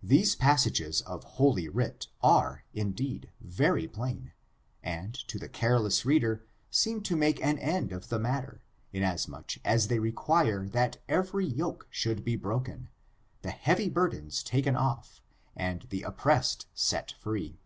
These passages of Holy Writ are, in deed, very plain, and, to the careless reader, seem to make an end of the matter, inasmuch as they re quire that every yoke should be broken, the heavy BURDENS taken off, and the oppressed set free.